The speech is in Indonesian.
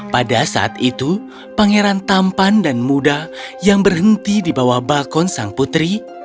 pada saat itu pangeran tampan dan muda yang berhenti di bawah balkon sang putri